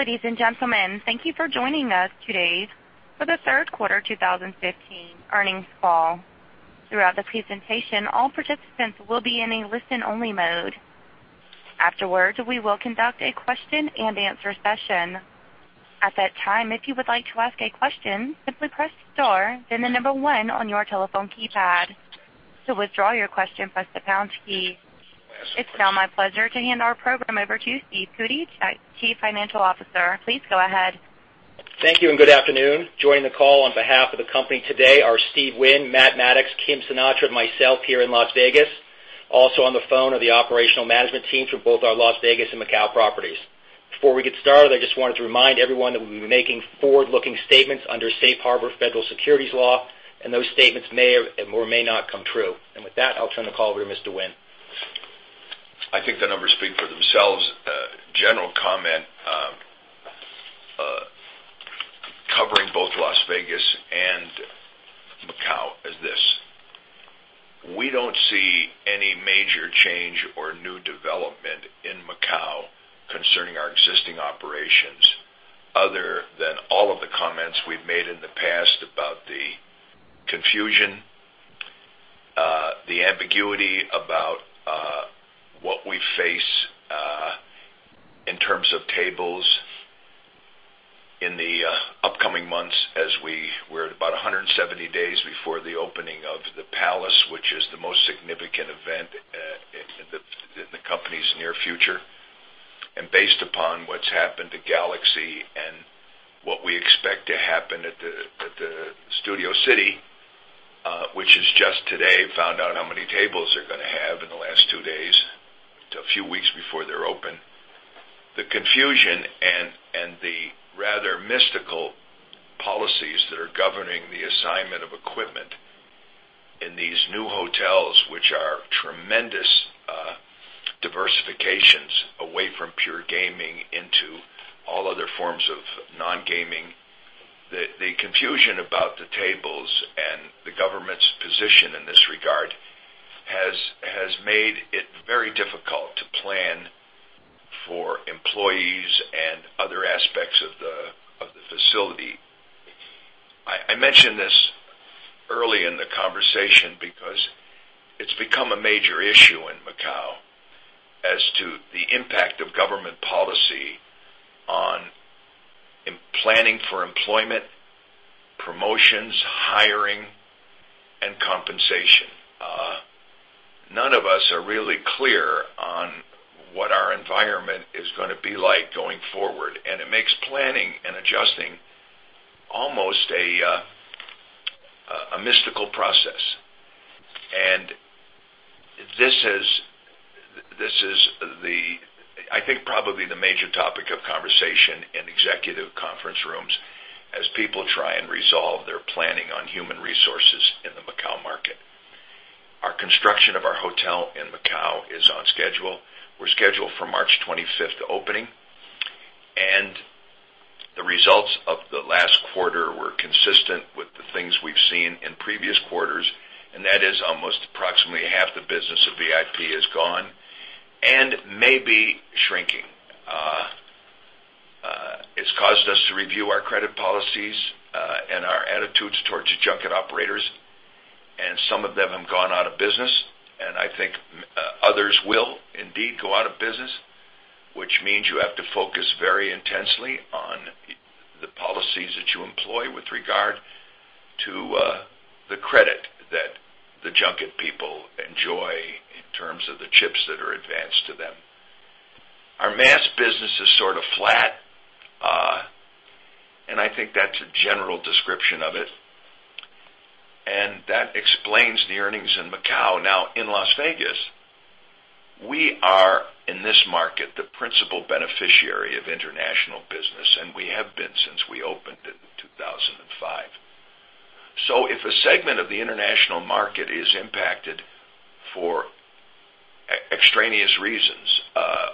Ladies and gentlemen, thank you for joining us today for the third quarter 2015 earnings call. Throughout the presentation, all participants will be in a listen-only mode. Afterwards, we will conduct a question-and-answer session. At that time, if you would like to ask a question, simply press star, then the number 1 on your telephone keypad. To withdraw your question, press the pound key. It's now my pleasure to hand our program over to Steve Cootey, Chief Financial Officer. Please go ahead. Thank you. Good afternoon. Joining the call on behalf of the company today are Steve Wynn, Matt Maddox, Kim Sinatra, myself here in Las Vegas. Also on the phone are the operational management teams for both our Las Vegas and Macau properties. Before we get started, I just wanted to remind everyone that we'll be making forward-looking statements under Safe Harbor federal securities law, and those statements may or may not come true. With that, I'll turn the call over to Mr. Wynn. I think the numbers speak for themselves. General comment, covering both Las Vegas and Macau is this: We don't see any major change or new development in Macau concerning our existing operations other than all of the comments we've made in the past about the confusion, the ambiguity about what we face in terms of tables in the upcoming months as we're at about 170 days before the opening of the Palace, which is the most significant event in the company's near future. Based upon what's happened to Galaxy and what we expect to happen at the Studio City, which is just today found out how many tables they're going to have in the last two days, a few weeks before they're open. The confusion and the rather mystical policies that are governing the assignment of equipment in these new hotels, which are tremendous diversifications away from pure gaming into all other forms of non-gaming. The confusion about the tables and the government's position in this regard has made it very difficult to plan for employees and other aspects of the facility. I mention this early in the conversation because it's become a major issue in Macau as to the impact of government policy on planning for employment, promotions, hiring, and compensation. None of us are really clear on what our environment is going to be like going forward, and it makes planning and adjusting almost a mystical process. This is, I think, probably the major topic of conversation in executive conference rooms as people try and resolve their planning on human resources in the Macau market. Our construction of our hotel in Macau is on schedule. We're scheduled for March 25th opening. The results of the last quarter were consistent with the things we've seen in previous quarters, and that is almost approximately half the business of VIP is gone and may be shrinking. It's caused us to review our credit policies and our attitudes towards the junket operators, and some of them have gone out of business, and I think others will indeed go out of business, which means you have to focus very intensely on the policies that you employ with regard to the credit that the junket people enjoy in terms of the chips that are advanced to them. Our mass business is sort of flat, and I think that's a general description of it. That explains the earnings in Macau. Now, in Las Vegas, we are, in this market, the principal beneficiary of international business, and we have been since we opened it in 2005. If a segment of the international market is impacted for extraneous reasons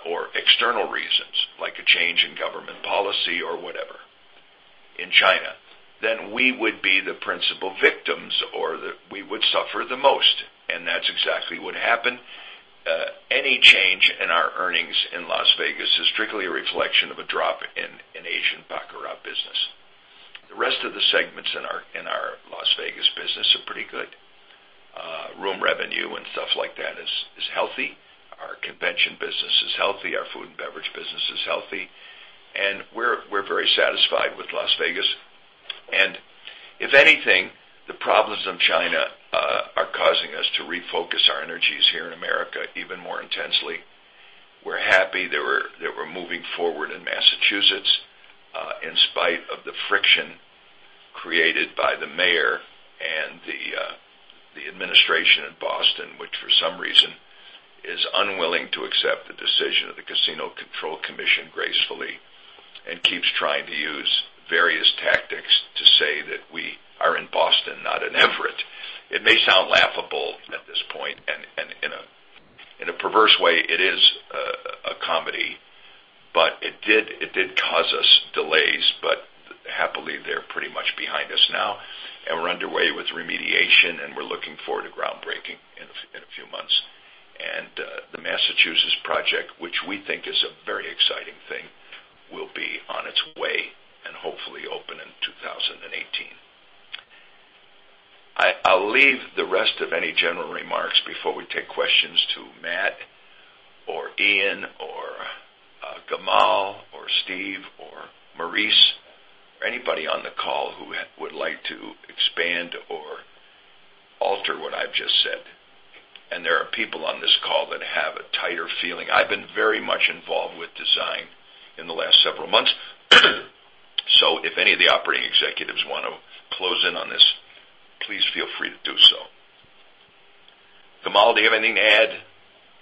or external reasons, like a change in government policy or whatever in China, we would be the principal victims or we would suffer the most, and that's exactly what happened. Any change in our earnings in Las Vegas is strictly a reflection of a drop in Asian baccarat business. The rest of the segments in our Las Vegas business are pretty good. Room revenue and stuff like that is healthy. Our convention business is healthy. Our food and beverage business is healthy. We're very satisfied with Las Vegas. If anything, the problems in China are causing us to refocus our energies here in America even more intensely. We're happy that we're moving forward in Massachusetts, in spite of the friction created by the mayor and the administration in Boston, which for some reason is unwilling to accept the decision of the Casino Control Commission gracefully and keeps trying to use various tactics to say that we are in Boston, not in Everett. It may sound laughable at this point, and in a perverse way, it is a comedy, but it did cause us delays, but I believe they're pretty much behind us now. We're underway with remediation, and we're looking forward to groundbreaking in a few months. The Massachusetts project, which we think is a very exciting thing, will be on its way and hopefully open in 2018. I'll leave the rest of any general remarks before we take questions to Matt or Ian or Gamal or Steve or Maurice or anybody on the call who would like to expand or alter what I've just said. There are people on this call that have a tighter feeling. I've been very much involved with design in the last several months. If any of the operating executives want to close in on this, please feel free to do so. Gamal, do you have anything to add?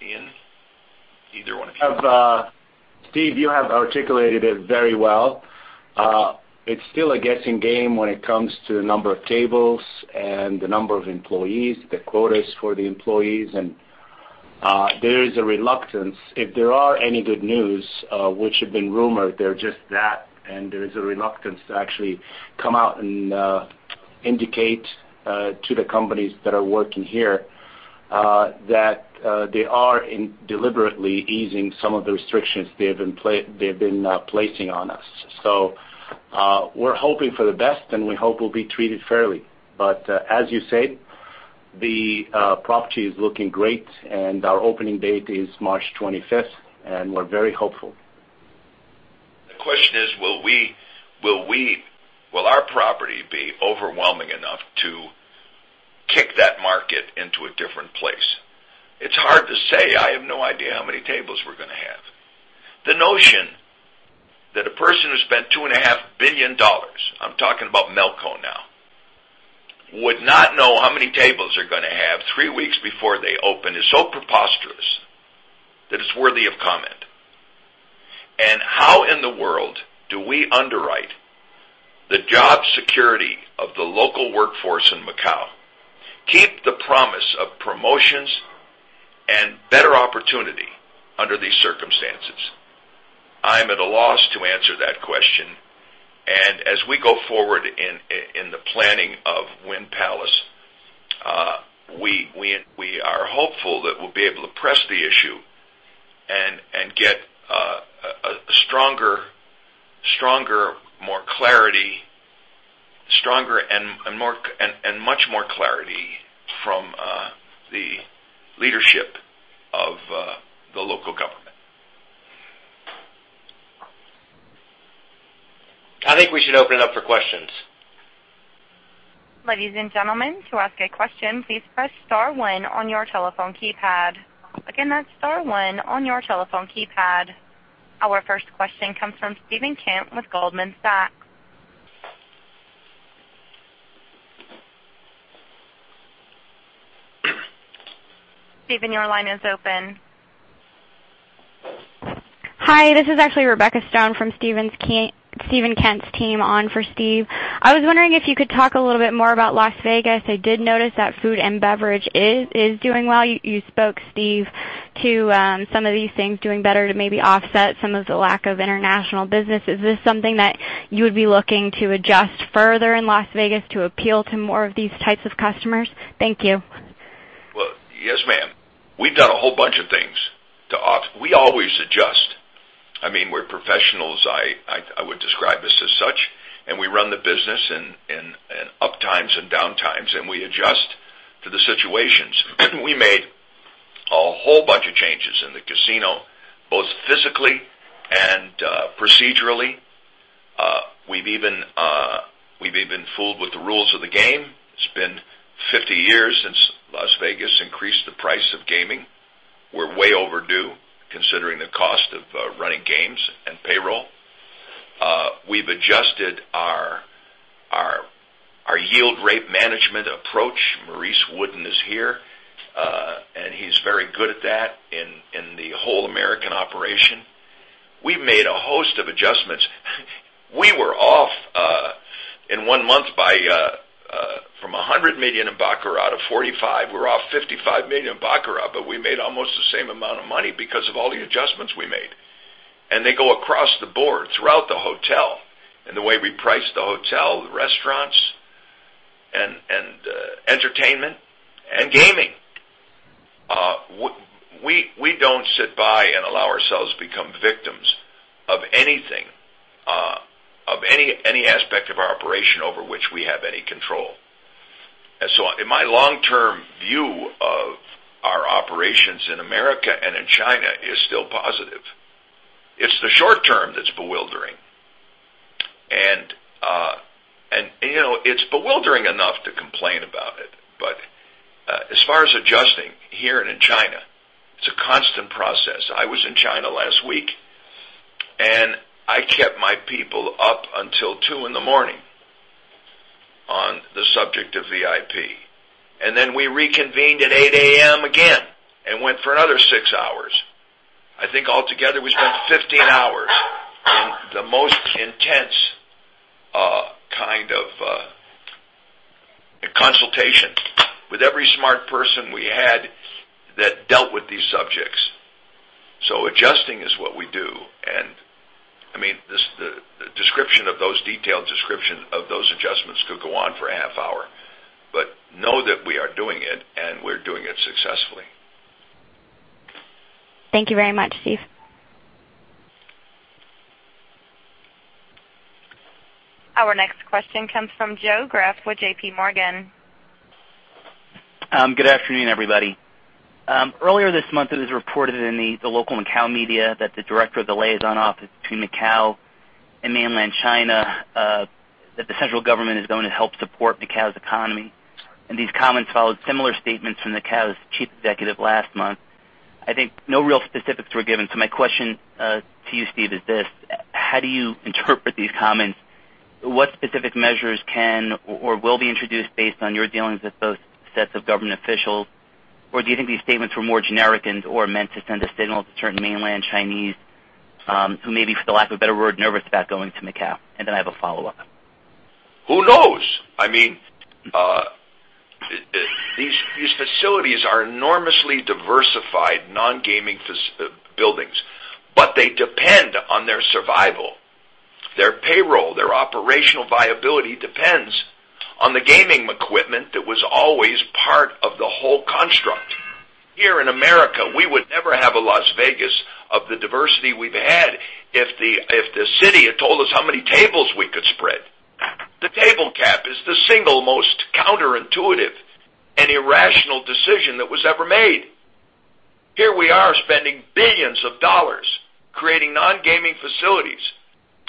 Ian? Either one of you. Steve, you have articulated it very well. It's still a guessing game when it comes to the number of tables and the number of employees, the quotas for the employees. There is a reluctance. If there are any good news, which have been rumored, they're just that. There is a reluctance to actually come out and indicate to the companies that are working here that they are deliberately easing some of the restrictions they've been placing on us. We're hoping for the best. We hope we'll be treated fairly. As you say, the property is looking great. Our opening date is March 25th. We're very hopeful. The question is: will our property be overwhelming enough to kick that market into a different place? It's hard to say. I have no idea how many tables we're going to have. The notion that a person who spent $2.5 billion, I'm talking about Melco now, would not know how many tables they're going to have three weeks before they open is so preposterous that it's worthy of comment. How in the world do we underwrite the job security of the local workforce in Macau, keep the promise of promotions and better opportunity under these circumstances? I'm at a loss to answer that question. As we go forward in the planning of Wynn Palace, we are hopeful that we'll be able to press the issue and get much more clarity from the leadership of the local government. I think we should open it up for questions. Ladies and gentlemen, to ask a question, please press star one on your telephone keypad. Again, that's star one on your telephone keypad. Our first question comes from Steven Kent with Goldman Sachs. Steven, your line is open. Hi, this is actually Rebecca Stone from Steven Kent's team on for Steve. I was wondering if you could talk a little bit more about Las Vegas. I did notice that food and beverage is doing well. You spoke, Steve, to some of these things doing better to maybe offset some of the lack of international business. Is this something that you would be looking to adjust further in Las Vegas to appeal to more of these types of customers? Thank you. Well, yes, ma'am. We've done a whole bunch of things. We always adjust. We're professionals, I would describe us as such, and we run the business in up times and down times, and we adjust to the situations. We made a whole bunch of changes in the casino, both physically and procedurally. We've even fooled with the rules of the game. It's been 50 years since Las Vegas increased the price of gaming. We're way overdue, considering the cost of running games and payroll. We've adjusted our yield rate management approach. Maurice Wooden is here, and he's very good at that in the whole American operation. We've made a host of adjustments. We were off in one month from $100 million in baccarat to $45 million. We were off $55 million in baccarat. We made almost the same amount of money because of all the adjustments we made. They go across the board throughout the hotel in the way we price the hotel, the restaurants, and entertainment and gaming. We don't sit by and allow ourselves to become victims of anything, of any aspect of our operation over which we have any control. My long-term view of our operations in America and in China is still positive. It's the short term that's bewildering. It's bewildering enough to complain about it. As far as adjusting here and in China, it's a constant process. I was in China last week, and I kept my people up until 2:00 A.M. on the subject of VIP. Then we reconvened at 8:00 A.M. again and went for another six hours. I think altogether, we spent 15 hours in the most intense kind of consultation with every smart person we had that dealt with these subjects. Adjusting is what we do, and the detailed description of those adjustments could go on for a half hour. Know that we are doing it, and we're doing it successfully. Thank you very much, Steve. Our next question comes from Joe Greff with JPMorgan. Good afternoon, everybody. Earlier this month, it was reported in the local Macau media that the director of the liaison office between Macau and mainland China, that the central government is going to help support Macau's economy. These comments followed similar statements from Macau's chief executive last month. I think no real specifics were given. My question to you, Steve, is this, how do you interpret these comments? What specific measures can or will be introduced based on your dealings with both sets of government officials? Do you think these statements were more generic and/or meant to send a signal to certain mainland Chinese, who may be, for the lack of a better word, nervous about going to Macau? Then I have a follow-up. Who knows? These facilities are enormously diversified, non-gaming buildings. They depend on their survival, their payroll, their operational viability depends on the gaming equipment that was always part of the whole construct. Here in America, we would never have a Las Vegas of the diversity we've had if the city had told us how many tables we could spread. The table cap is the single most counterintuitive and irrational decision that was ever made. Here we are spending billions of dollars creating non-gaming facilities,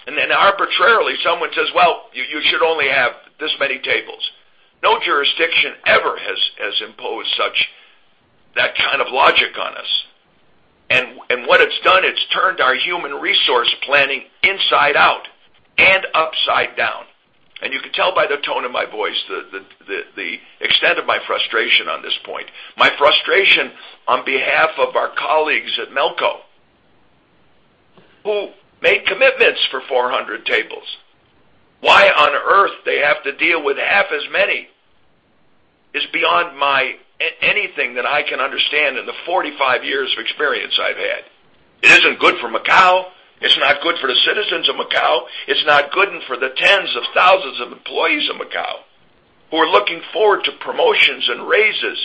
then arbitrarily, someone says, "Well, you should only have this many tables." No jurisdiction ever has imposed that kind of logic on us. What it's done, it's turned our human resource planning inside out and upside down. You can tell by the tone of my voice the extent of my frustration on this point, my frustration on behalf of our colleagues at Melco, who made commitments for 400 tables. Why on earth they have to deal with half as many is beyond anything that I can understand in the 45 years of experience I've had. It isn't good for Macau. It's not good for the citizens of Macau. It's not good for the tens of thousands of employees of Macau who are looking forward to promotions and raises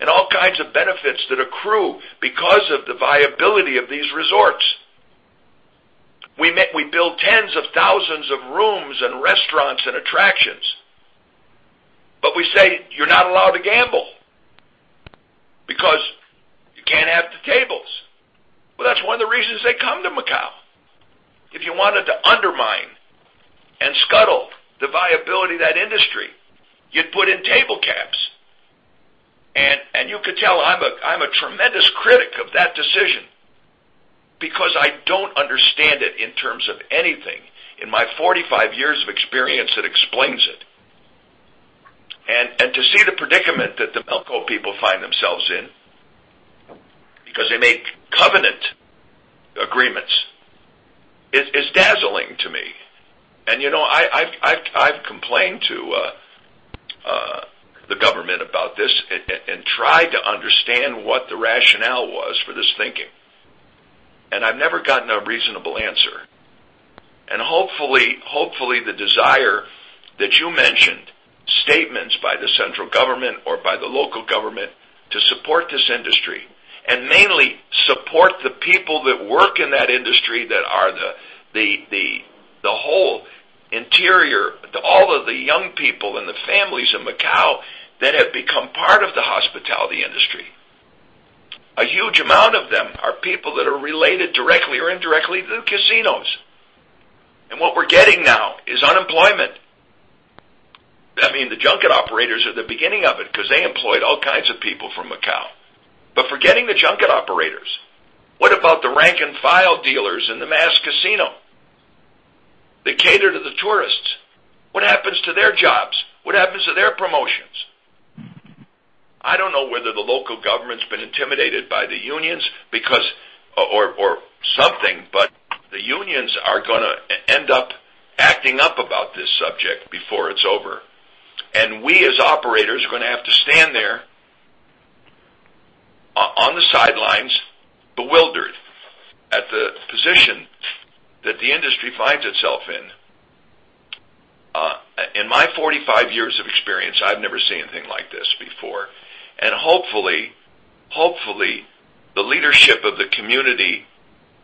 and all kinds of benefits that accrue because of the viability of these resorts. We build tens of thousands of rooms and restaurants and attractions, but we say, "You're not allowed to gamble because you can't have the tables." That's one of the reasons they come to Macau. If you wanted to undermine and scuttle the viability of that industry, you'd put in table caps. You could tell I'm a tremendous critic of that decision because I don't understand it in terms of anything in my 45 years of experience that explains it. To see the predicament that the Melco people find themselves in because they make covenant agreements is dazzling to me. I've complained to the government about this and tried to understand what the rationale was for this thinking, I've never gotten a reasonable answer. Hopefully, the desire that you mentioned, statements by the central government or by the local government to support this industry, mainly support the people that work in that industry that are the whole interior, all of the young people and the families of Macau that have become part of the hospitality industry. A huge amount of them are people that are related directly or indirectly to the casinos. What we're getting now is unemployment. The junket operators are the beginning of it because they employed all kinds of people from Macau. Forgetting the junket operators, what about the rank-and-file dealers in the mass casino that cater to the tourists? What happens to their jobs? What happens to their promotions? I don't know whether the local government's been intimidated by the unions or something, but the unions are going to end up acting up about this subject before it's over. We, as operators, are going to have to stand there on the sidelines, bewildered at the position that the industry finds itself in. In my 45 years of experience, I've never seen anything like this before. Hopefully, the leadership of the community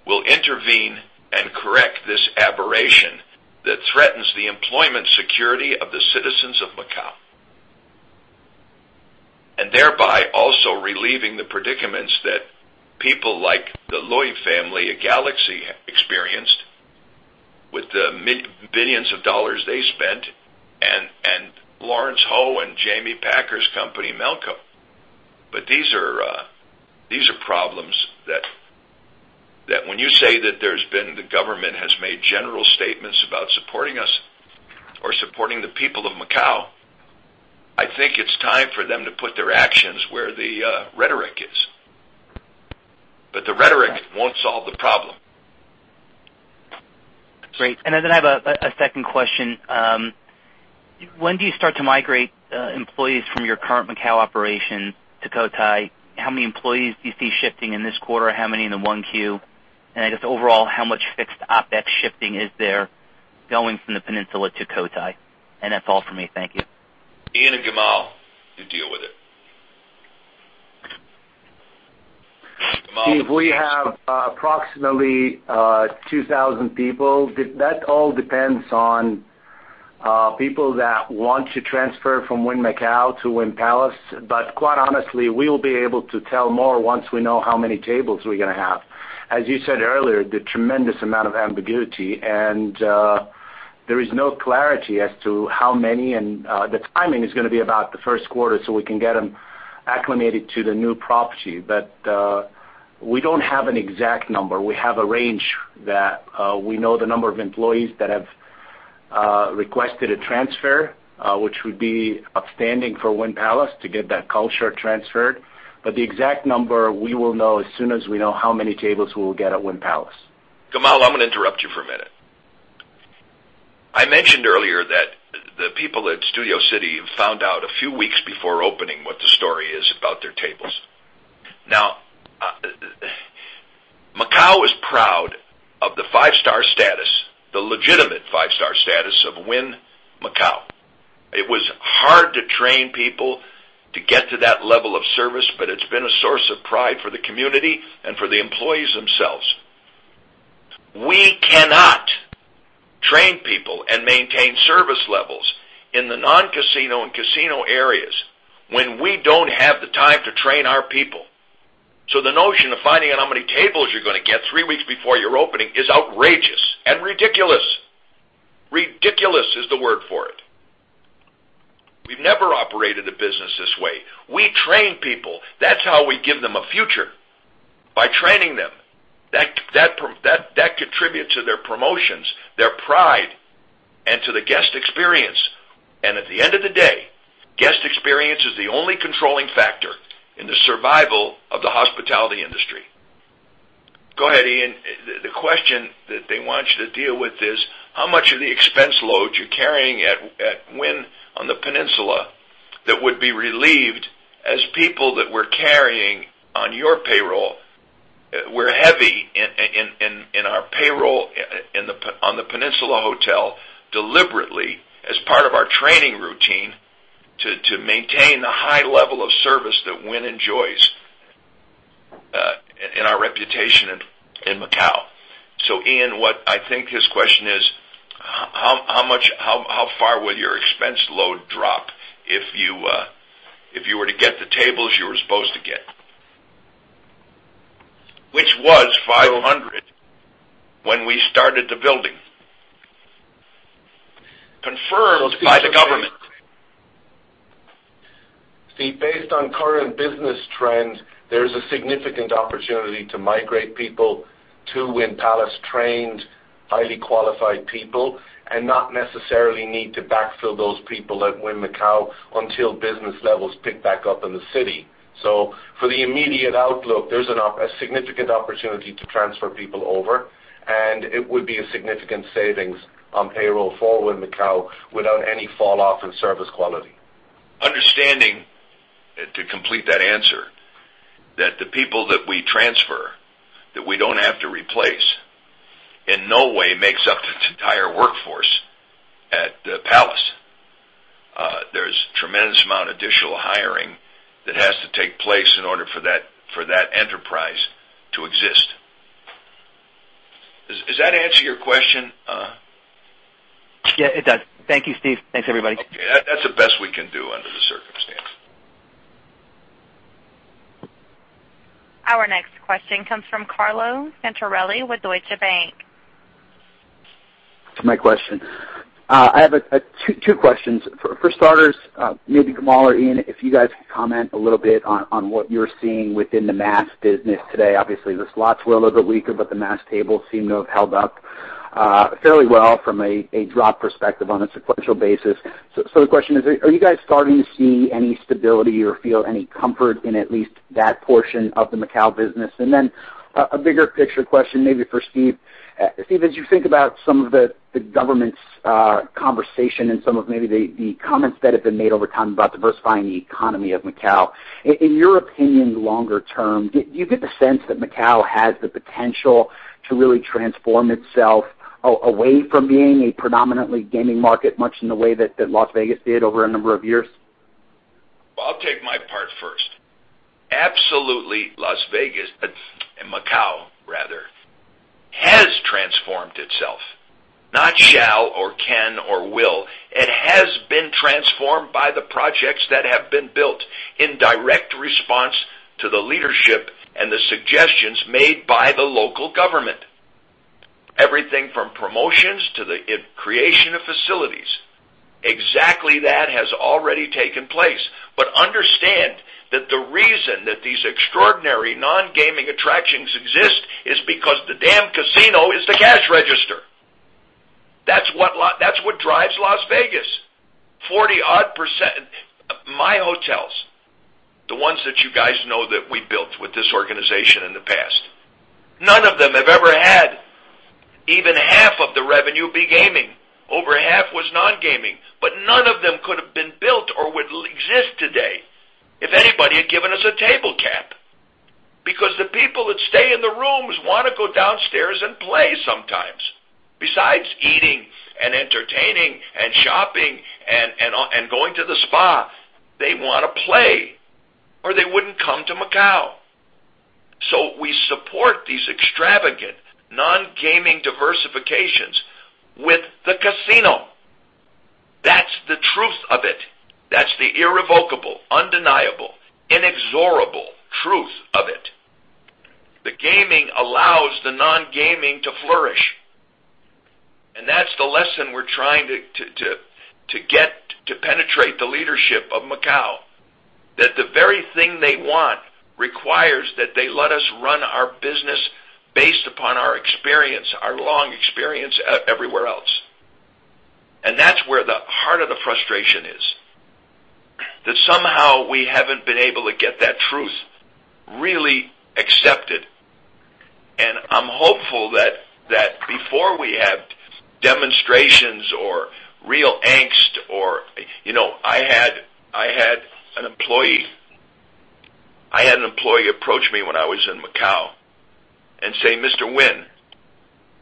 will intervene and correct this aberration that threatens the employment security of the citizens of Macau, thereby also relieving the predicaments that people like the Lui family at Galaxy experienced with the billions of dollars they spent, Lawrence Ho and James Packer's company, Melco. These are problems that when you say that the government has made general statements about supporting us or supporting the people of Macau, I think it's time for them to put their actions where the rhetoric is. The rhetoric won't solve the problem. Great. I have a second question. When do you start to migrate employees from your current Macau operation to Cotai? How many employees do you see shifting in this quarter? How many in the 1Q? I guess overall, how much fixed OpEx shifting is there going from the Peninsula to Cotai? That's all for me. Thank you. Ian and Gamal, you deal with it. Gamal. Steve, we have approximately 2,000 people. That all depends on people that want to transfer from Wynn Macau to Wynn Palace. Quite honestly, we will be able to tell more once we know how many tables we're going to have. As you said earlier, the tremendous amount of ambiguity, there is no clarity as to how many. The timing is going to be about the first quarter, so we can get them acclimated to the new property. We don't have an exact number. We have a range that we know the number of employees that have requested a transfer, which would be upstanding for Wynn Palace to get that culture transferred. The exact number, we will know as soon as we know how many tables we will get at Wynn Palace. Gamal, I'm going to interrupt you for a minute. I mentioned earlier that the people at Studio City found out a few weeks before opening what the story is about their tables. Macau is proud of the five-star status, the legitimate five-star status of Wynn Macau. It was hard to train people to get to that level of service, it's been a source of pride for the community and for the employees themselves. We cannot train people and maintain service levels in the non-casino and casino areas when we don't have the time to train our people. The notion of finding out how many tables you're going to get three weeks before your opening is outrageous and ridiculous. Ridiculous is the word for it. We've never operated a business this way. We train people. That's how we give them a future, by training them. That contributes to their promotions, their pride, and to the guest experience. At the end of the day, guest experience is the only controlling factor in the survival of the hospitality industry. Go ahead, Ian. The question that they want you to deal with is, how much of the expense load you're carrying at Wynn Macau that would be relieved as people that we're carrying on your payroll. We're heavy in our payroll on the Wynn Macau deliberately as part of our training routine to maintain the high level of service that Wynn enjoys and our reputation in Macau. Ian, what I think his question is, how far will your expense load drop if you were to get the tables you were supposed to get? Which was 500 when we started the building. Confirmed by the government. Steve, based on current business trends, there is a significant opportunity to migrate people to Wynn Palace, trained, highly qualified people, and not necessarily need to backfill those people at Wynn Macau until business levels pick back up in the city. For the immediate outlook, there's a significant opportunity to transfer people over, and it would be a significant savings on payroll for Wynn Macau without any fall off in service quality. Understanding, to complete that answer, that the people that we transfer, that we don't have to replace, in no way makes up the entire workforce at Wynn Palace. There's tremendous amount of additional hiring that has to take place in order for that enterprise to exist. Does that answer your question? Yeah, it does. Thank you, Steve. Thanks, everybody. Okay. That's the best we can do under the circumstance. Our next question comes from Carlo Santarelli with Deutsche Bank. My question. I have two questions. For starters, maybe Gamal or Ian, if you guys could comment a little bit on what you're seeing within the mass business today. Obviously, the slots were a little bit weaker, but the mass tables seem to have held up fairly well from a drop perspective on a sequential basis. The question is, are you guys starting to see any stability or feel any comfort in at least that portion of the Macau business? A bigger picture question maybe for Steve. Steve, as you think about some of the government's conversation and some of maybe the comments that have been made over time about diversifying the economy of Macau, in your opinion, longer term, do you get the sense that Macau has the potential to really transform itself away from being a predominantly gaming market much in the way that Las Vegas did over a number of years? I'll take my part first. Absolutely, Las Vegas, Macau rather, has transformed itself, not shall or can or will. It has been transformed by the projects that have been built in direct response to the leadership and the suggestions made by the local government. Everything from promotions to the creation of facilities. Exactly that has already taken place. Understand that the reason that these extraordinary non-gaming attractions exist is because the damn casino is the cash register. That's what drives Las Vegas. 40-odd percent. My hotels. The ones that you guys know that we built with this organization in the past. None of them have ever had even half of the revenue be gaming. Over half was non-gaming, none of them could have been built or would exist today if anybody had given us a table cap. The people that stay in the rooms want to go downstairs and play sometimes. Besides eating and entertaining and shopping and going to the spa, they want to play, or they wouldn't come to Macau. We support these extravagant non-gaming diversifications with the casino. That's the truth of it. That's the irrevocable, undeniable, inexorable truth of it. The gaming allows the non-gaming to flourish, that's the lesson we're trying to get to penetrate the leadership of Macau. That the very thing they want requires that they let us run our business based upon our experience, our long experience everywhere else. That's where the heart of the frustration is. That somehow we haven't been able to get that truth really accepted. I'm hopeful that before we have demonstrations or real angst or I had an employee approach me when I was in Macau and say, "Mr. Wynn,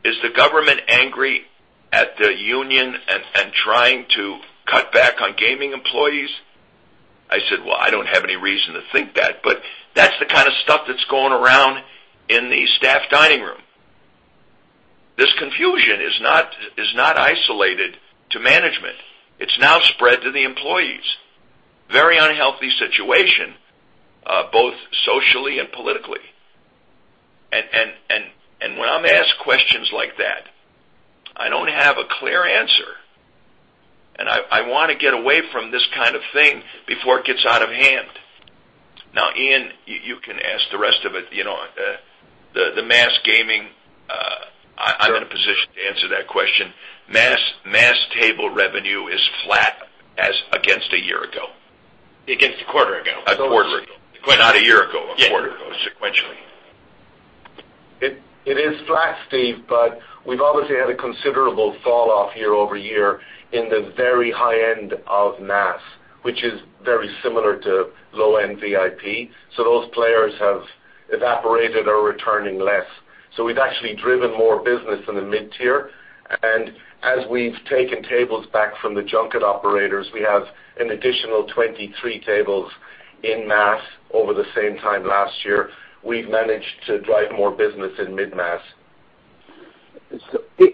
is the government angry at the union and trying to cut back on gaming employees?" I said, "I don't have any reason to think that," but that's the kind of stuff that's going around in the staff dining room. This confusion is not isolated to management. It's now spread to the employees. Very unhealthy situation, both socially and politically. When I'm asked questions like that, I don't have a clear answer. I want to get away from this kind of thing before it gets out of hand. Ian, you can ask the rest of it. The mass gaming- Sure. I'm in a position to answer that question. Mass table revenue is flat as against a year ago. Against a quarter ago. A quarter ago. Not a year ago, a quarter ago, sequentially. It is flat, Steve. We've obviously had a considerable fall-off year-over-year in the very high end of mass, which is very similar to low-end VIP. Those players have evaporated or are returning less. We've actually driven more business in the mid-tier. As we've taken tables back from the junket operators, we have an additional 23 tables in mass over the same time last year. We've managed to drive more business in mid-mass.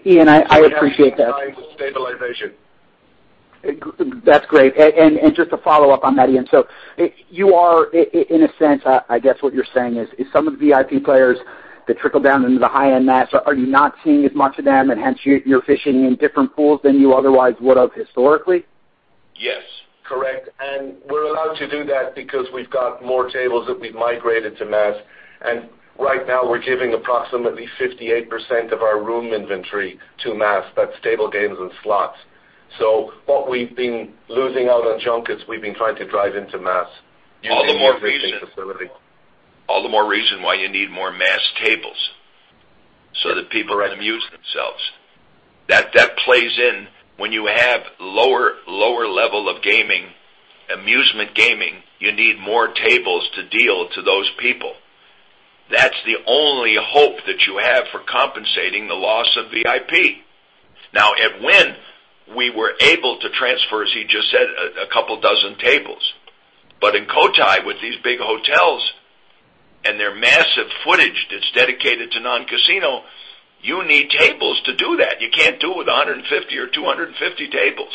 Ian, I appreciate that. At the same time, stabilization. That's great. Just to follow up on that, Ian, so you are, in a sense, I guess what you're saying is, some of the VIP players that trickle down into the high-end mass, are you not seeing as much of them, and hence you're fishing in different pools than you otherwise would have historically? Yes. Correct. We're allowed to do that because we've got more tables that we've migrated to mass. Right now, we're giving approximately 58% of our room inventory to mass. That's table games and slots. What we've been losing out on junkets, we've been trying to drive into mass using the existing facility. All the more reason why you need more mass tables, so that people can amuse themselves. That plays in when you have lower level of gaming, amusement gaming, you need more tables to deal to those people. That's the only hope that you have for compensating the loss of VIP. Now, at Wynn, we were able to transfer, as he just said, a couple dozen tables. In Cotai, with these big hotels and their massive footage that's dedicated to non-casino, you need tables to do that. You can't do it with 150 or 250 tables.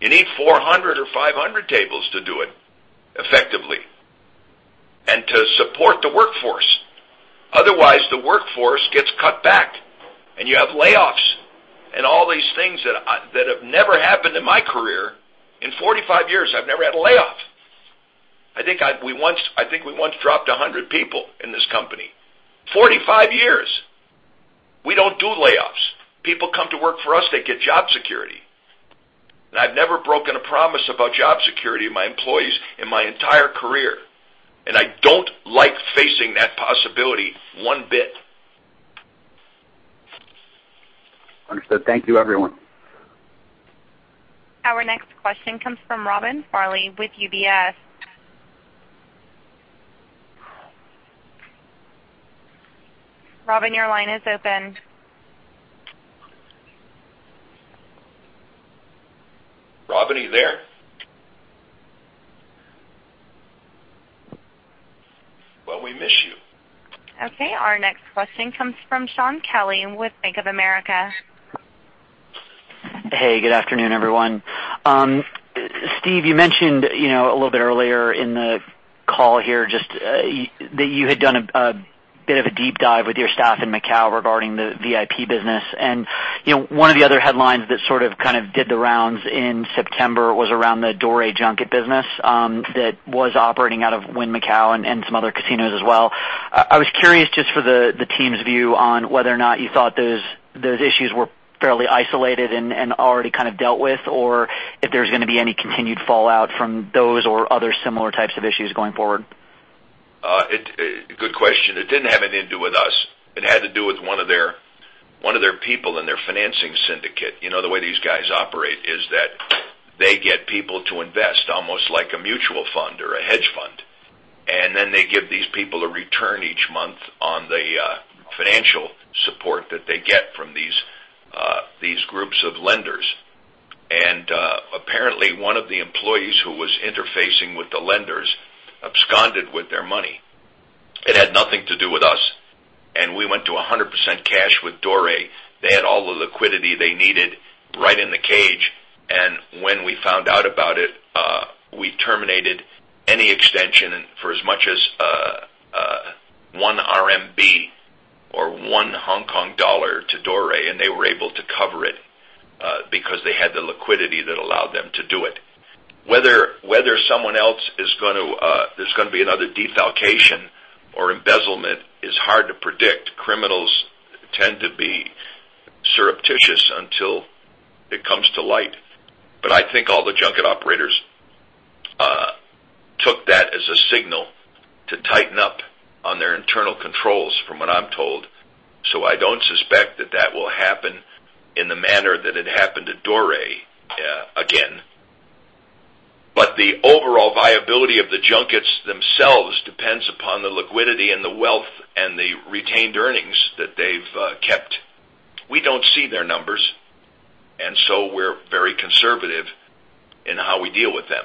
You need 400 or 500 tables to do it effectively and to support the workforce. Otherwise, the workforce gets cut back, and you have layoffs and all these things that have never happened in my career. In 45 years, I've never had a layoff. I think we once dropped 100 people in this company. 45 years. We don't do layoffs. People come to work for us, they get job security. I've never broken a promise about job security of my employees in my entire career. I don't like facing that possibility one bit. Understood. Thank you, everyone. Our next question comes from Robin Farley with UBS. Robin, your line is open. Robin, are you there? Well, we miss you. Okay, our next question comes from Shaun Kelley with Bank of America. Hey, good afternoon, everyone. Steve, you mentioned a little bit earlier in the call here just that you had done a bit of a deep dive with your staff in Macau regarding the VIP business. One of the other headlines that sort of did the rounds in September was around the Dore junket business that was operating out of Wynn Macau and some other casinos as well. I was curious just for the team's view on whether or not you thought those issues were fairly isolated and already kind of dealt with, or if there's going to be any continued fallout from those or other similar types of issues going forward. Good question. It didn't have anything to do with us. It had to do with one of their people in their financing syndicate. You know, the way these guys operate is that they get people to invest almost like a mutual fund or a hedge fund, and then they give these people a return each month on the financial support that they get from these groups of lenders. Apparently, one of the employees who was interfacing with the lenders absconded with their money. It had nothing to do with us, and we went to 100% cash with Dore. They had all the liquidity they needed right in the cage. When we found out about it, we terminated any extension for as much as 1 RMB or 1 Hong Kong dollar to Dore, and they were able to cover it, because they had the liquidity that allowed them to do it. Whether there's going to be another defalcation or embezzlement is hard to predict. Criminals tend to be surreptitious until it comes to light. I think all the junket operators took that as a signal to tighten up on their internal controls from what I'm told. I don't suspect that that will happen in the manner that it happened to Dore again. The overall viability of the junkets themselves depends upon the liquidity and the wealth and the retained earnings that they've kept. We don't see their numbers, and we're very conservative in how we deal with them.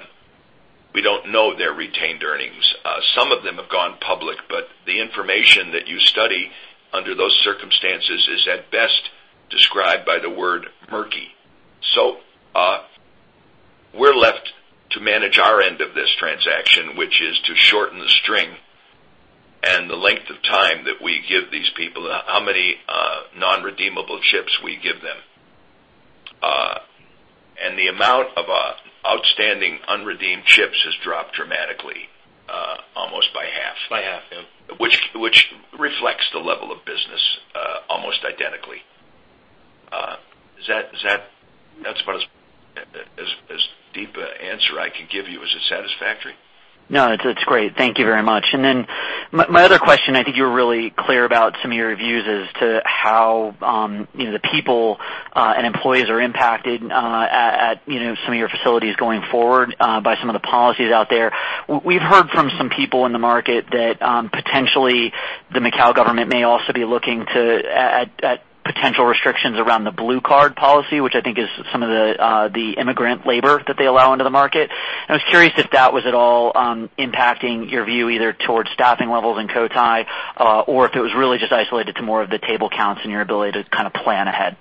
We don't know their retained earnings. Some of them have gone public, the information that you study under those circumstances is at best described by the word murky. We're left to manage our end of this transaction, which is to shorten the string and the length of time that we give these people and how many non-redeemable chips we give them. The amount of outstanding unredeemed chips has dropped dramatically, almost by half. By half, yeah. Which reflects the level of business, almost identically. That's about as deep an answer I can give you. Was it satisfactory? No, it's great. Thank you very much. My other question, I think you were really clear about some of your views as to how the people, and employees are impacted, at some of your facilities going forward, by some of the policies out there. We've heard from some people in the market that, potentially the Macau government may also be looking to potential restrictions around the Blue Card policy, which I think is some of the immigrant labor that they allow into the market. I was curious if that was at all impacting your view, either towards staffing levels in Cotai, or if it was really just isolated to more of the table counts and your ability to kind of plan ahead.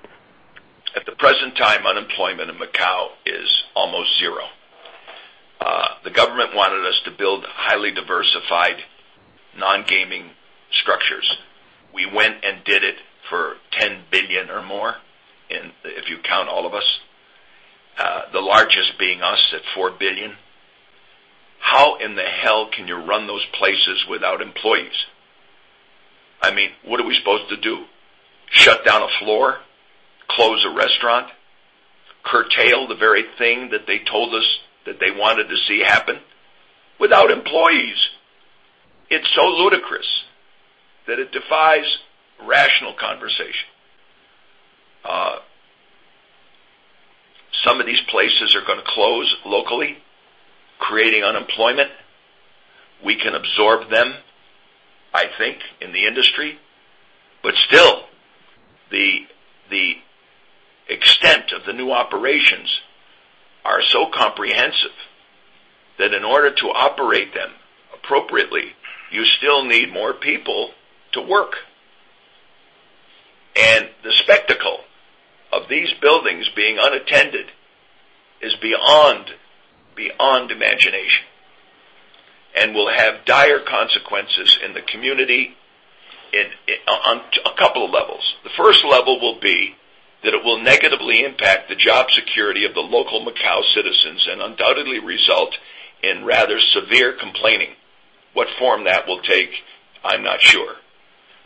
At the present time, unemployment in Macau is almost zero. The government wanted us to build highly diversified non-gaming structures. We went and did it for $10 billion or more, if you count all of us, the largest being us at $4 billion. How in the hell can you run those places without employees? I mean, what are we supposed to do? Shut down a floor, close a restaurant, curtail the very thing that they told us that they wanted to see happen without employees? It's so ludicrous that it defies rational conversation. Some of these places are going to close locally, creating unemployment. We can absorb them, I think, in the industry, but still, the extent of the new operations are so comprehensive that in order to operate them appropriately, you still need more people to work. The spectacle of these buildings being unattended is beyond imagination and will have dire consequences in the community on a couple of levels. The first level will be that it will negatively impact the job security of the local Macau citizens and undoubtedly result in rather severe complaining. What form that will take, I'm not sure.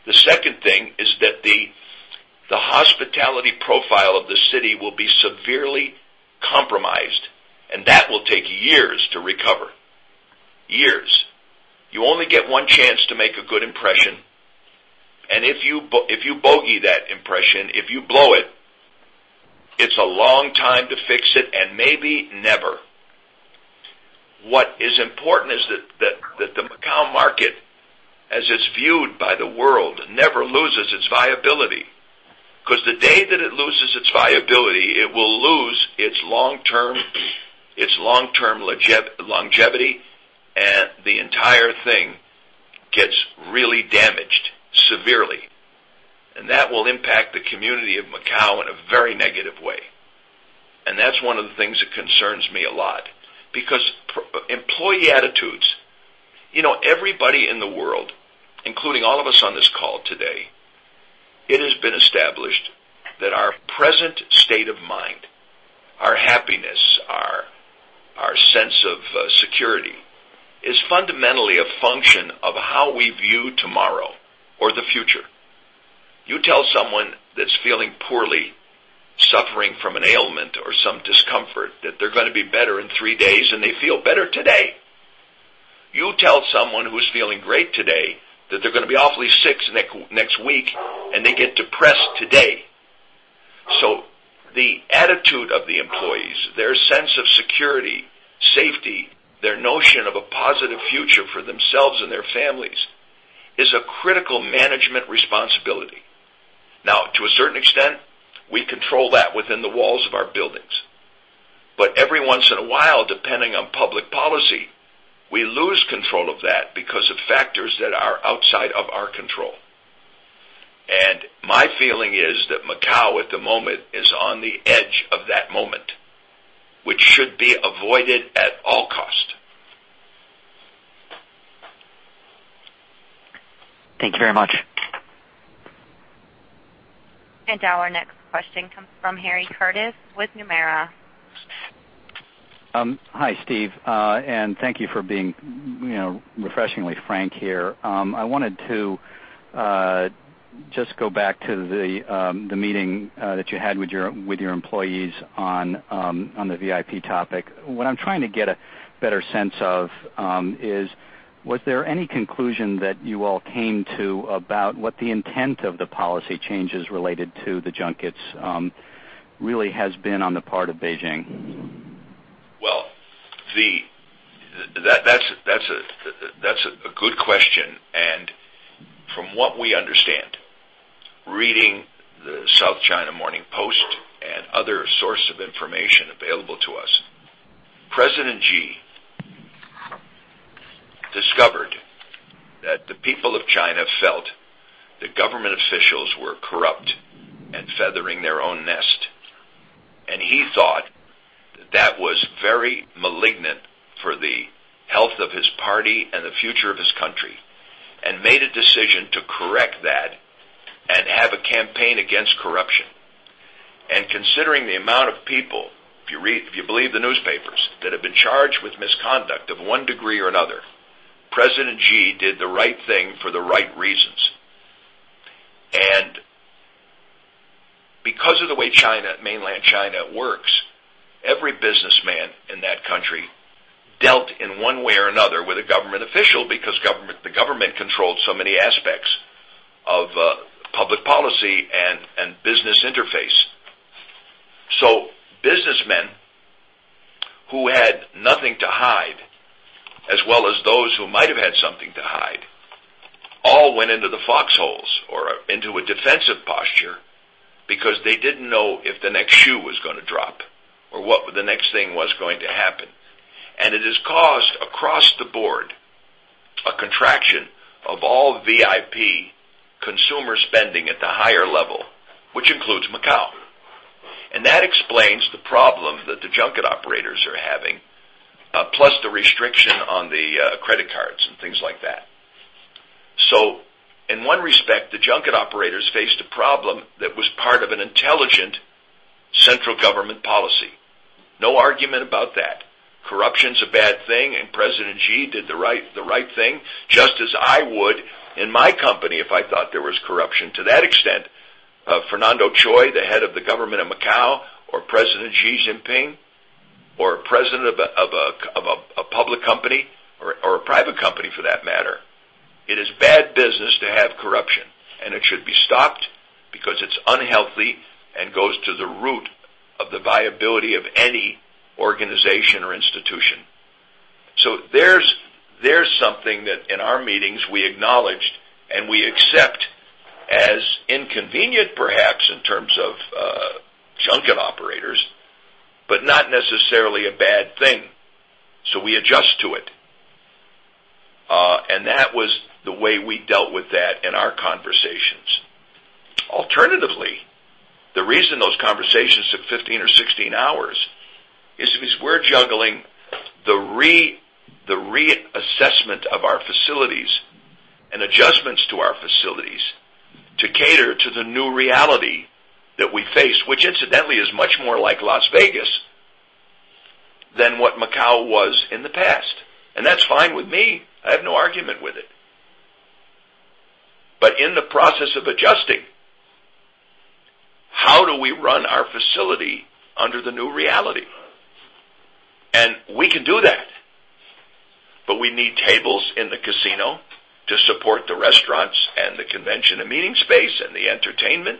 The second thing is that the hospitality profile of the city will be severely compromised, and that will take years to recover. Years. You only get one chance to make a good impression, and if you bogey that impression, if you blow it's a long time to fix it, and maybe never. What is important is that the Macau market, as it's viewed by the world, never loses its viability, because the day that it loses its viability, it will lose its long-term longevity, and the entire thing gets really damaged severely. That will impact the community of Macau in a very negative way. That's one of the things that concerns me a lot because employee attitudes, everybody in the world, including all of us on this call today, it has been established that our present state of mind, our happiness, our sense of security is fundamentally a function of how we view tomorrow or the future. You tell someone that's feeling poorly, suffering from an ailment or some discomfort, that they're going to be better in three days, and they feel better today. You tell someone who's feeling great today that they're going to be awfully sick next week, and they get depressed today. The attitude of the employees, their sense of security, safety, their notion of a positive future for themselves and their families, is a critical management responsibility. Now, to a certain extent, we control that within the walls of our buildings. Every once in a while, depending on public policy, we lose control of that because of factors that are outside of our control. My feeling is that Macau, at the moment, is on the edge of that moment, which should be avoided at all cost. Thank you very much. Our next question comes from Harry Curtis with Nomura. Hi, Steve. Thank you for being refreshingly frank here. I wanted to just go back to the meeting that you had with your employees on the VIP topic. What I'm trying to get a better sense of is, was there any conclusion that you all came to about what the intent of the policy changes related to the junkets really has been on the part of Beijing? Well, that's a good question. From what we understand, reading the South China Morning Post and other source of information available to us, President Xi discovered that the people of China felt the government officials were corrupt and feathering their own nest. He thought that was very malignant for the health of his party and the future of his country, and made a decision to correct that and have a campaign against corruption. Considering the amount of people, if you believe the newspapers, that have been charged with misconduct of one degree or another, President Xi did the right thing for the right reasons. Because of the way Mainland China works, every businessman in that country dealt in one way or another with a government official because the government controlled so many aspects of public policy and business interface. Businessmen who had nothing to hide, as well as those who might have had something to hide, all went into the foxholes or into a defensive posture because they didn't know if the next shoe was going to drop or what the next thing was going to happen. It has caused, across the board, a contraction of all VIP consumer spending at the higher level, which includes Macau. That explains the problem that the junket operators are having, plus the restriction on the credit cards and things like that. In one respect, the junket operators faced a problem that was part of an intelligent central government policy. No argument about that. Corruption is a bad thing, and President Xi did the right thing, just as I would in my company if I thought there was corruption to that extent. Fernando Chui, the head of the government of Macau, or President Xi Jinping, or a president of a public company or a private company for that matter, it is bad business to have corruption, and it should be stopped because it's unhealthy and goes to the root of the viability of any organization or institution. There's something that in our meetings we acknowledged and we accept as inconvenient, perhaps, in terms of junket operators, but not necessarily a bad thing. We adjust to it. That was the way we dealt with that in our conversations. Alternatively, the reason those conversations took 15 or 16 hours is because we're juggling the reassessment of our facilities and adjustments to our facilities to cater to the new reality that we face, which incidentally is much more like Las Vegas than what Macau was in the past. That's fine with me. I have no argument with it. In the process of adjusting, how do we run our facility under the new reality? We can do that. We need tables in the casino to support the restaurants and the convention and meeting space and the entertainment.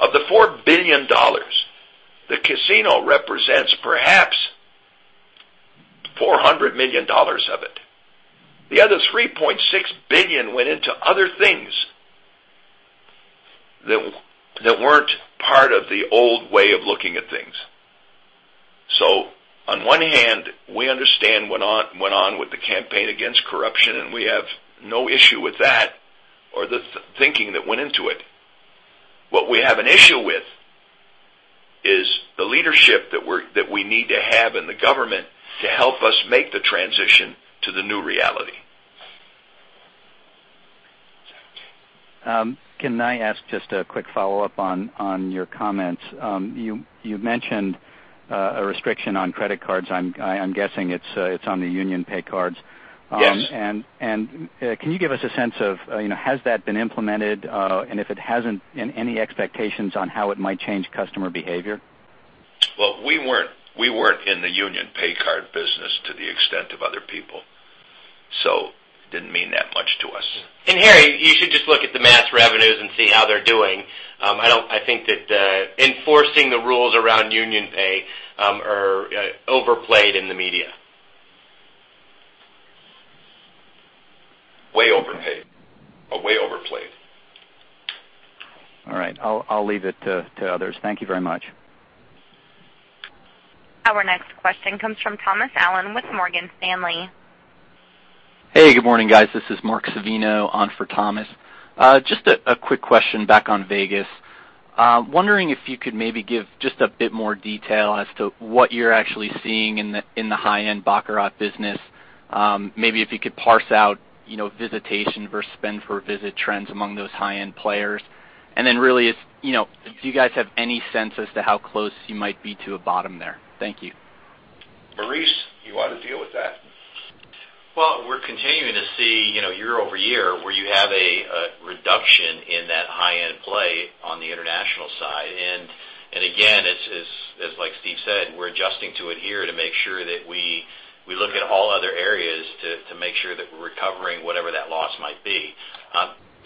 Of the $4 billion, the casino represents perhaps $400 million of it. The other $3.6 billion went into other things that weren't part of the old way of looking at things. On one hand, we understand went on with the campaign against corruption, and we have no issue with that or the thinking that went into it. What we have an issue with is the leadership that we need to have in the government to help us make the transition to the new reality. Can I ask just a quick follow-up on your comments? You mentioned a restriction on credit cards. I'm guessing it's on the UnionPay cards. Yes. Can you give us a sense of has that been implemented? If it hasn't, any expectations on how it might change customer behavior? We weren't in the UnionPay card business to the extent of other people, so it didn't mean that much to us. Harry, you should just look at the mass revenues and see how they're doing. I think that enforcing the rules around UnionPay are overplayed in the media. Way overplayed. All right, I'll leave it to others. Thank you very much. Our next question comes from Thomas Allen with Morgan Stanley. Hey, good morning, guys. This is Mark Savino on for Thomas. Just a quick question back on Vegas. Wondering if you could maybe give just a bit more detail as to what you're actually seeing in the high-end baccarat business. Maybe if you could parse out visitation versus spend-per-visit trends among those high-end players. Really, if you guys have any sense as to how close you might be to a bottom there. Thank you. Maurice, you ought to deal with that. We're continuing to see year-over-year where you have a reduction in that high-end play on the international side. Again, as like Steve said, we're adjusting to it here to make sure that we look at all other areas to make sure that we're recovering whatever that loss might be.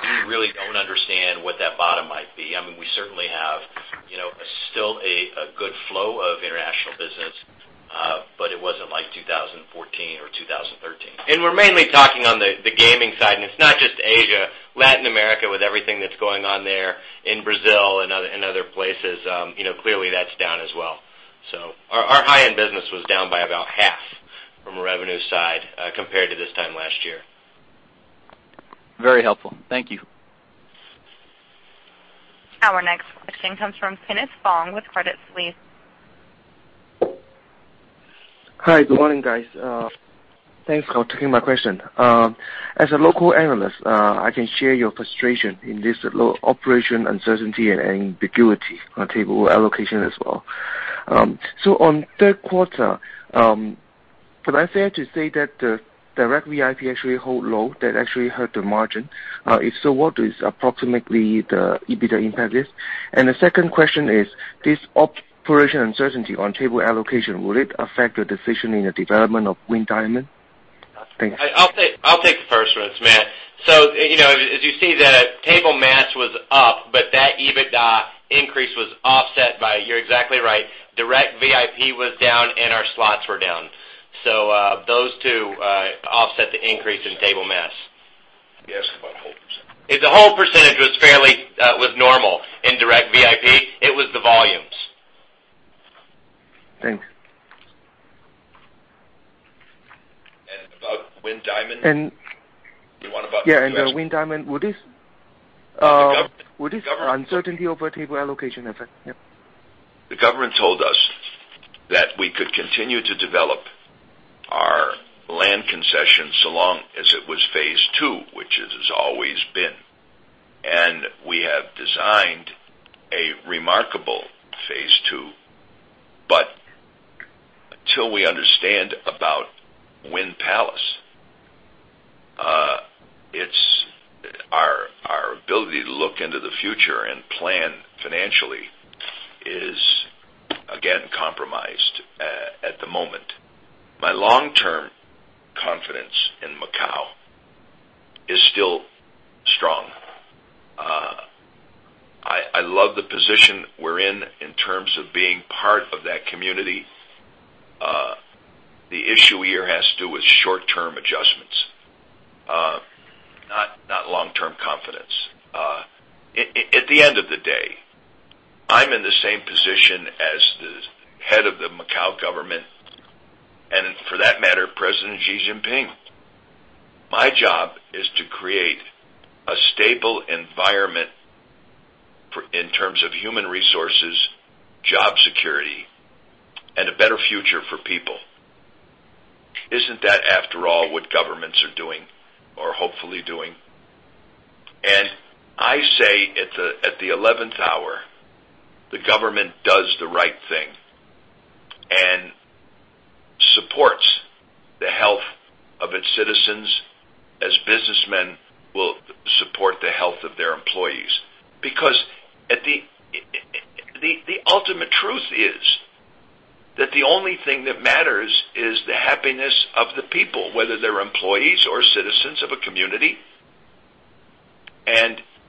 We really don't understand what that bottom might be. We certainly have still a good flow of international business, but it wasn't like 2014 or 2013. We're mainly talking on the gaming side, and it's not just Asia, Latin America, with everything that's going on there, in Brazil and other places, clearly that's down as well. Our high-end business was down by about half from a revenue side compared to this time last year. Very helpful. Thank you. Our next question comes from Kenneth Fong with Credit Suisse. Hi. Good morning, guys. Thanks for taking my question. As a local analyst, I can share your frustration in this low operation uncertainty and ambiguity on table allocation as well. On third quarter, could I fair to say that the direct VIP actually hold low, that actually hurt the margin? If so, what is approximately the EBITDA impact is? The second question is, this operation uncertainty on table allocation, will it affect the decision in the development of Wynn Diamond? Thanks. I'll take the first one. It's Matt. As you see, the table match was up, but that EBITDA increase was offset by, you're exactly right, direct VIP was down and our slots were down. Those two offset the increase in table match. He asked about hold percentage. The hold percentage was normal in direct VIP. It was the volumes. Thanks. About Wynn Diamond? Yeah, the Wynn Diamond, would this- The government- Would this uncertainty over table allocation affect? Yep. The government told us that we could continue to develop our land concessions so long as it was phase two, which it has always been. We have designed a remarkable phase two. Until we understand about Wynn Palace, our ability to look into the future and plan financially is, again, compromised at the moment. My long-term confidence in Macau is still strong. I love the position we're in terms of being part of that community. The issue here has to do with short-term adjustments, not long-term confidence. At the end of the day, I'm in the same position as the head of the Macau government, and for that matter, President Xi Jinping. My job is to create a stable environment in terms of human resources, job security, and a better future for people. Isn't that, after all, what governments are doing or hopefully doing? I say at the 11th hour, the government does the right thing and supports the health of its citizens as businessmen will support the health of their employees. The ultimate truth is that the only thing that matters is the happiness of the people, whether they're employees or citizens of a community.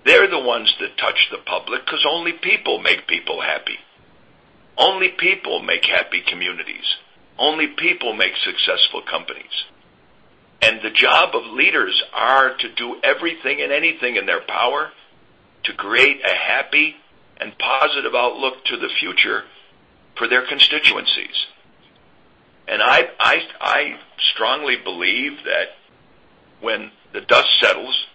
They're the ones that touch the public because only people make people happy. Only people make happy communities. Only people make successful companies. The job of leaders are to do everything and anything in their power to create a happy and positive outlook to the future for their constituencies. I strongly believe that when the dust settles,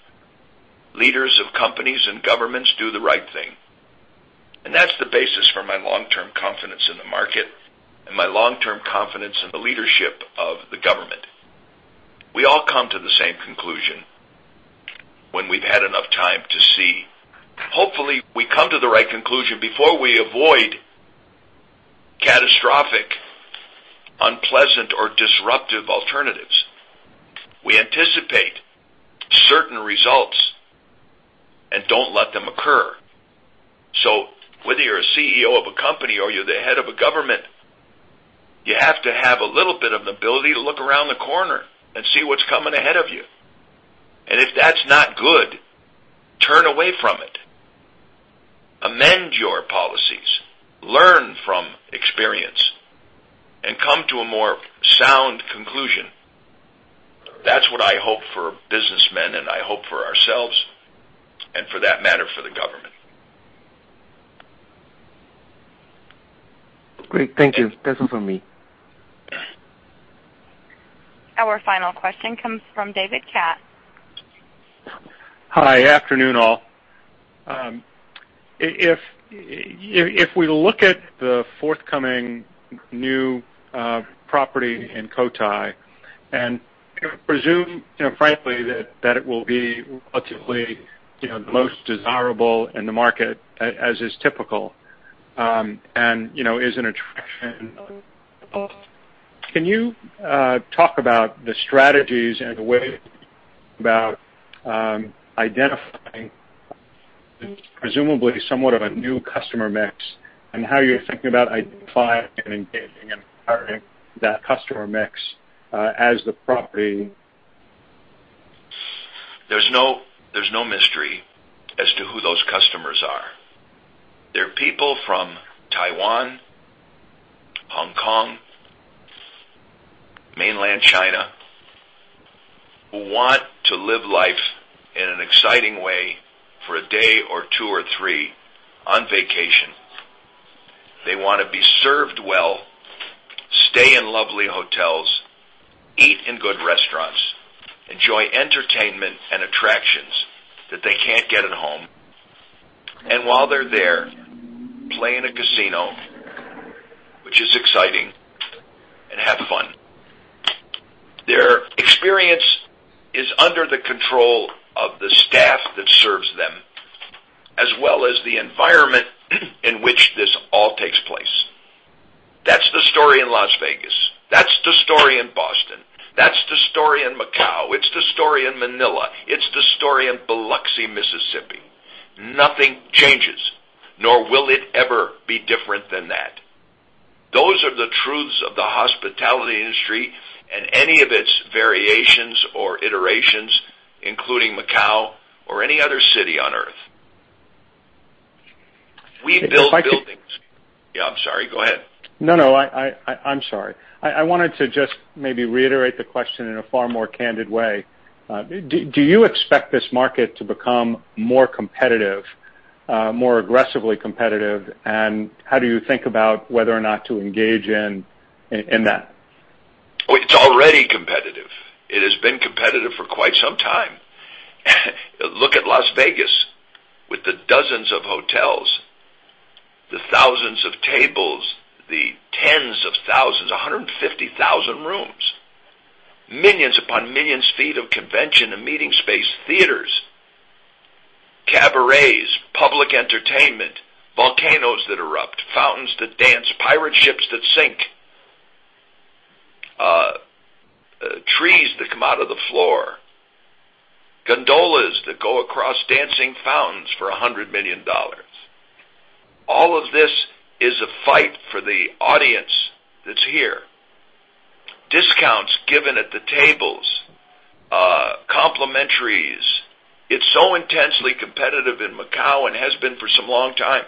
leaders of companies and governments do the right thing. That's the basis for my long-term confidence in the market and my long-term confidence in the leadership of the government. We all come to the same conclusion when we've had enough time to see. Hopefully, we come to the right conclusion before we avoid catastrophic, unpleasant, or disruptive alternatives. We anticipate certain results. Don't let them occur. Whether you're a CEO of a company or you're the head of a government, you have to have a little bit of an ability to look around the corner and see what's coming ahead of you. If that's not good, turn away from it. Amend your policies, learn from experience, and come to a more sound conclusion. That's what I hope for businessmen, and I hope for ourselves, and for that matter, for the government. Great. Thank you. That's all from me. Our final question comes from David Katz. Hi. Afternoon, all. If we look at the forthcoming new property in Cotai and presume frankly, that it will be relatively the most desirable in the market as is typical, and is an attraction, can you talk about the strategies and the way about identifying presumably somewhat of a new customer mix, and how you're thinking about identifying and engaging and acquiring that customer mix as the property? There's no mystery as to who those customers are. They're people from Taiwan, Hong Kong, Mainland China, who want to live life in an exciting way for a day or two or three on vacation. They want to be served well, stay in lovely hotels, eat in good restaurants, enjoy entertainment and attractions that they can't get at home. While they're there, play in a casino, which is exciting, and have fun. Their experience is under the control of the staff that serves them, as well as the environment in which this all takes place. That's the story in Las Vegas. That's the story in Boston. That's the story in Macau. It's the story in Manila. It's the story in Biloxi, Mississippi. Nothing changes, nor will it ever be different than that. Those are the truths of the hospitality industry and any of its variations or iterations, including Macau or any other city on Earth. We build buildings. Yeah, I'm sorry. Go ahead. No, I'm sorry. I wanted to just maybe reiterate the question in a far more candid way. Do you expect this market to become more competitive, more aggressively competitive, and how do you think about whether or not to engage in that? It's already competitive. It has been competitive for quite some time. Look at Las Vegas with the dozens of hotels, the thousands of tables, the tens of thousands, 150,000 rooms, millions upon millions feet of convention and meeting space, theaters, cabarets, public entertainment, volcanoes that erupt, fountains that dance, pirate ships that sink, trees that come out of the floor, gondolas that go across dancing fountains for $100 million. All of this is a fight for the audience that's here. Discounts given at the tables, complimentaries. It's so intensely competitive in Macau and has been for a long time,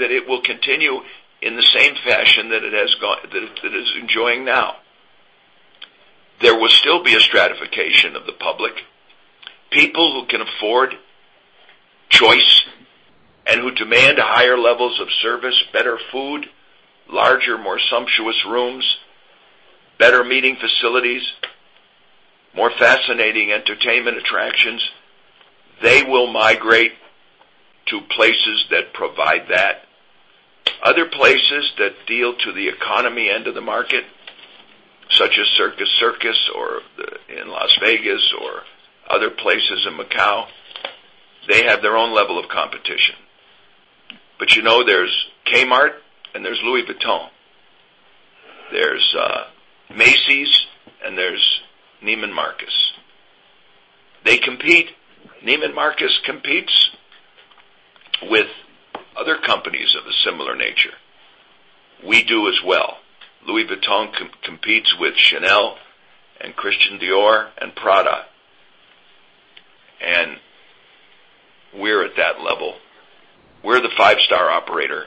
that it will continue in the same fashion that it is enjoying now. There will still be a stratification of the public. People who can afford choice and who demand higher levels of service, better food, larger, more sumptuous rooms, better meeting facilities, more fascinating entertainment attractions, they will migrate to places that provide that. Other places that deal to the economy end of the market, such as Circus Circus in Las Vegas or other places in Macau, they have their own level of competition. There's Kmart and there's Louis Vuitton. There's Macy's and there's Neiman Marcus. They compete. Neiman Marcus competes with other companies of a similar nature. We do as well. Louis Vuitton competes with Chanel and Christian Dior and Prada, and we're at that level. We're the five-star operator.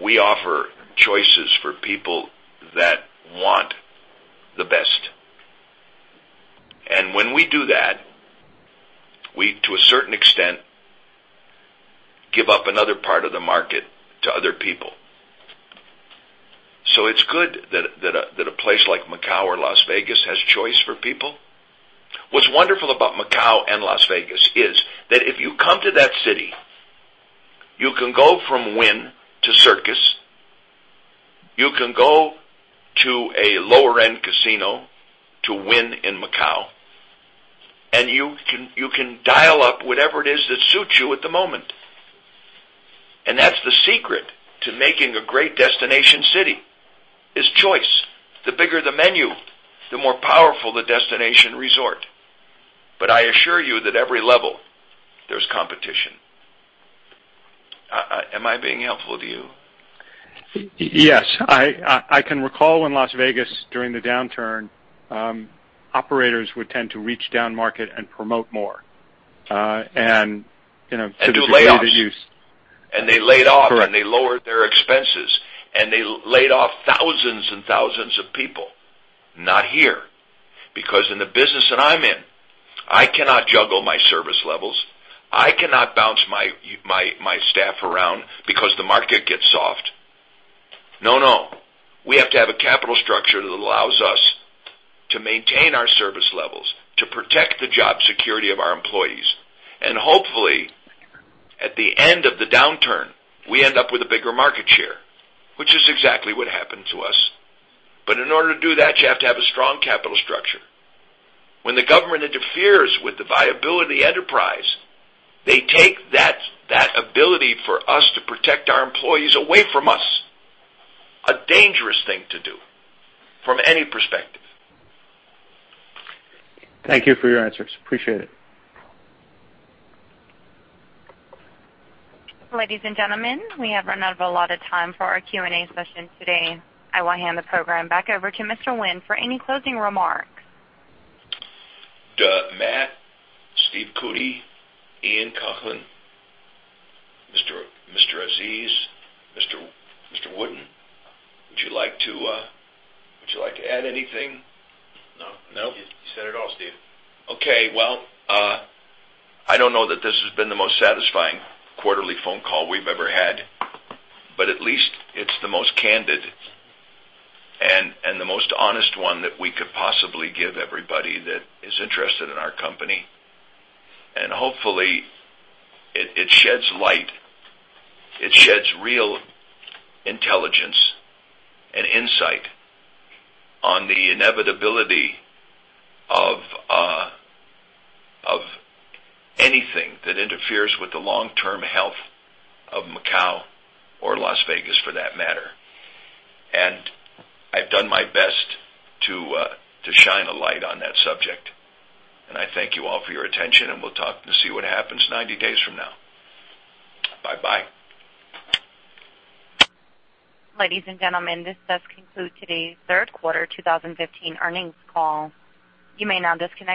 We offer choices for people that want the best. When we do that, we, to a certain extent, give up another part of the market to other people. It's good that a place like Macau or Las Vegas has choice for people. What's wonderful about Macau and Las Vegas is that if you come to that city, you can go from Wynn to Circus. You can go to a lower-end casino to Wynn in Macau, and you can dial up whatever it is that suits you at the moment. That's the secret to making a great destination city, is choice. The bigger the menu, the more powerful the destination resort. I assure you that every level, there's competition. Am I being helpful to you? Yes. I can recall when Las Vegas, during the downturn, operators would tend to reach down market and promote more. To the degree that you- Do layoffs. Correct. They laid off, they lowered their expenses, they laid off thousands and thousands of people. Not here, because in the business that I'm in, I cannot juggle my service levels. I cannot bounce my staff around because the market gets soft. No, no. We have to have a capital structure that allows us to maintain our service levels, to protect the job security of our employees. Hopefully, at the end of the downturn, we end up with a bigger market share, which is exactly what happened to us. In order to do that, you have to have a strong capital structure. When the government interferes with the viability enterprise, they take that ability for us to protect our employees away from us. A dangerous thing to do from any perspective. Thank you for your answers. Appreciate it. Ladies and gentlemen, we have run out of allotted time for our Q&A session today. I will hand the program back over to Mr. Wynn for any closing remarks. Matt, Stephen Cootey, Ian Coughlan, Gamal Aziz, Maurice Wooden. Would you like to add anything? No. No? You said it all, Steve. Okay. Well, I don't know that this has been the most satisfying quarterly phone call we've ever had, but at least it's the most candid and the most honest one that we could possibly give everybody that is interested in our company. Hopefully, it sheds light, it sheds real intelligence and insight on the inevitability of anything that interferes with the long-term health of Macau or Las Vegas for that matter. I've done my best to shine a light on that subject. I thank you all for your attention, and we'll talk to see what happens 90 days from now. Bye-bye. Ladies and gentlemen, this does conclude today's third quarter 2015 earnings call. You may now disconnect your-